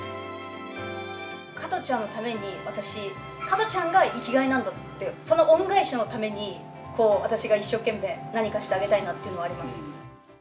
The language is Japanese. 加トちゃんのために私、加トちゃんが生きがいなんだって、その恩返しのために、私が一生懸命、何かしてあげたいなというのはあります。